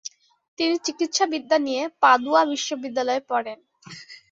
তিনি চিকিৎসাবিদ্যা নিয়ে পাদুয়া বিশ্ববিদ্যালয়ে পরেন।